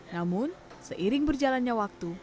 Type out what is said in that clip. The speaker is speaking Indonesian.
namun seiring berjalannya waktu